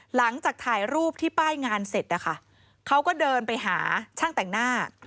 หลังจากถ่ายรูปที่ป้ายงานเสร็จนะคะเขาก็เดินไปหาช่างแต่งหน้า